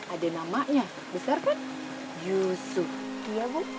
ada namanya besar kan yusuf iya bu